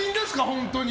本当に。